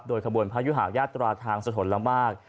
ขบวนพระยุหายาตราทางสถนละมาก